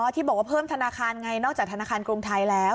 ที่บอกว่าเพิ่มธนาคารไงนอกจากธนาคารกรุงไทยแล้ว